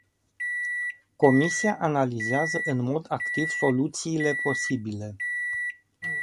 Comisia analizează în mod activ soluțiile posibile.